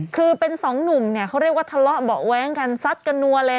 คือเป็นสองหนุ่มเนี่ยเขาเรียกว่าทะเลาะเบาะแว้งกันซัดกันนัวเลย